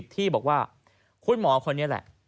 ที่บอกว่าคุณหมอคนนี้แหละ